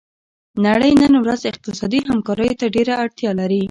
نړۍ نن ورځ اقتصادي همکاریو ته ډیره اړتیا لري